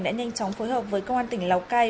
đã nhanh chóng phối hợp với công an tỉnh lào cai